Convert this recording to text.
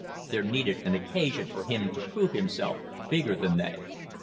There needed an occasion for him to prove himself bigger than they.